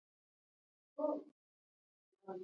انګلیسان کمزوري شوي وو.